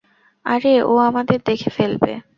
আরে, ও আমাদের দেখে ফেলবে।